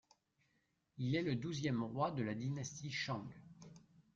Il est le douzième roi de la dynastie Shang.